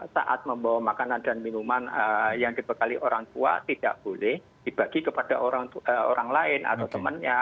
saat membawa makanan dan minuman yang dibekali orang tua tidak boleh dibagi kepada orang lain atau temannya